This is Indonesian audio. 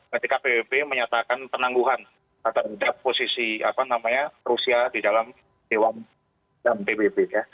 ketika pbb menyatakan penangguhan terhadap posisi rusia di dalam dewan pbb